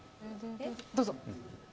どうぞ。